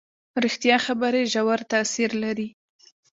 ریښتیا خبرې ژور تاثیر لري.